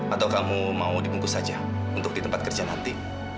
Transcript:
atau kamu mau dibungkus saja untuk di tempat kerja nanti